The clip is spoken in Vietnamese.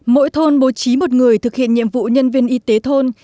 mỗi thôn bố trí một người thực hiện nhiệm vụ nhân viên y tế thôn